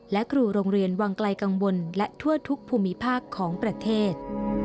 และครูโรงเรียนวังไกลกังวลและทั่วทุกภูมิภาคของประเทศ